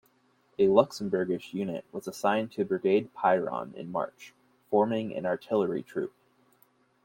A Luxembourgish unit was assigned to "Brigade Piron" in March, forming an artillery troop.